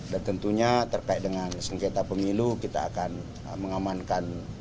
dan tentunya terkait dengan sengketa pemilu kita akan mengamankan